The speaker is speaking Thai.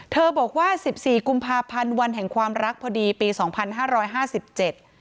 บอกว่าสิบสี่กุมภาพันธ์วันแห่งความรักพอดีปีสองพันห้าร้อยห้าสิบเจ็ด